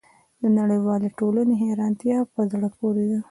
د نړیوالې ټولنې حیرانتیا په زړه پورې ده.